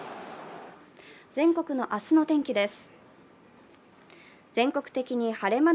全国の明日の天気です。